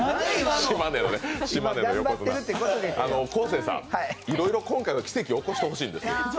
昴生さん、いろいろ今回は奇跡を起こしてほしいんですよ。